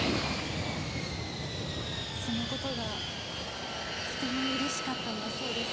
その事がとても嬉しかったんだそうです。